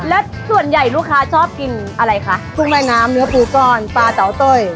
แล้วส่วนใหญ่ลูกค้าชอบกินอะไรคะกุ้งแม่น้ำเนื้อปูก้อนปลาเตาเต้ย